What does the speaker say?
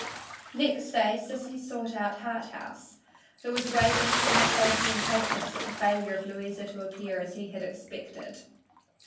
Next day Sissy sought out Harthouse, who was waiting, full of sulky impatience at the failure of Louisa to appear as he had expected.